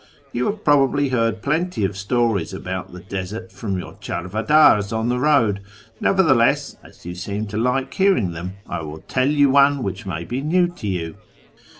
You have probably heard plenty of stories about the desert from your cltarvaddrs on the road ; nevertheless, as you seem to like hearing them, I will tell you one which may be new to you."